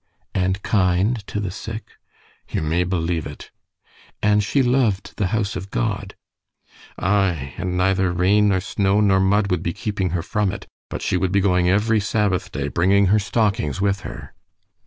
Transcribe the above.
"And kind to the sick." "You may believe it." "And she loved the house of God." "Aye, and neither rain nor snow nor mud would be keeping her from it, but she would be going every Sabbath day, bringing her stockings with her."